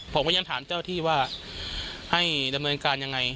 ผมก็ยังถามเจ้าที่ว่าให้ดำเนินการยังไง